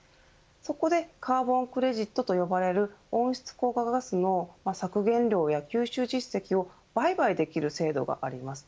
そこで、カーボンクレジットと呼ばれる温室効果ガスの削減量や吸収実績を売買できる制度があります。